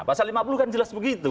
pasal lima puluh kan jelas begitu